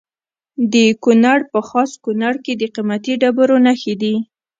د کونړ په خاص کونړ کې د قیمتي ډبرو نښې دي.